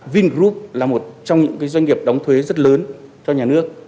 vingroup là một trong những doanh nghiệp đóng thuế rất lớn cho nhà nước